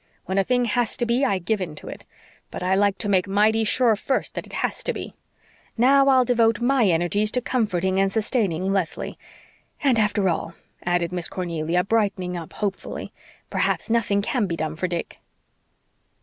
When a thing has to be I give in to it. But I like to make mighty sure first that it HAS to be. Now, I'll devote MY energies to comforting and sustaining Leslie. And after all," added Miss Cornelia, brightening up hopefully, "perhaps nothing can be done for Dick."